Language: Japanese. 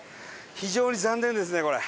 非常に残念ですねこれ。